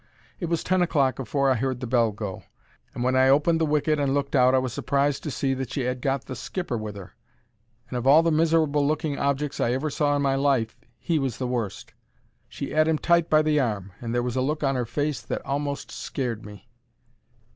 It was ten o'clock afore I heard the bell go, and when I opened the wicket and looked out I was surprised to see that she 'ad got the skipper with 'er. And of all the miserable looking objects I ever saw in my life he was the worst. She 'ad him tight by the arm, and there was a look on 'er face that a'most scared me.